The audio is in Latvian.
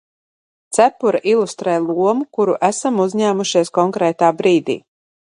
Cepure ilustrē lomu, kuru esam uzņēmušies konkrētā brīdī.